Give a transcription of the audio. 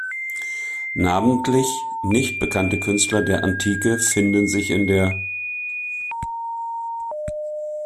Namentlich nicht bekannte Künstler der Antike finden sich in der